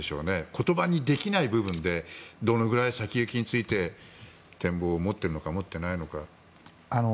言葉にできない部分でどのぐらい先行きについて展望を持っているのかいないのか。